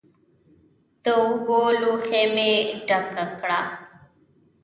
د اوبو لوښی مې ډک نه و.